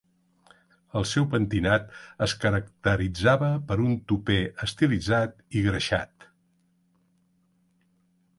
El seu pentinat es caracteritzava per un tupè estilitzat i greixat.